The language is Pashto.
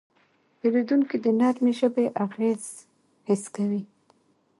پیرودونکی د نرمې ژبې اغېز حس کوي.